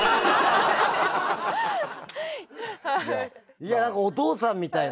いやなんかお父さんみたいな。